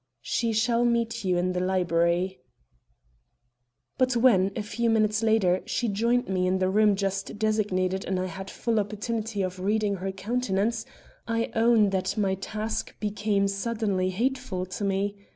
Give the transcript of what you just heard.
"She shall meet you in the library." But when, a few minutes later, she joined me in the room just designated and I had full opportunity for reading her countenance, I own that my task became suddenly hateful to me.